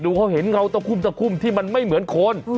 เขาเห็นเงาตะคุ่มตะคุ่มที่มันไม่เหมือนคน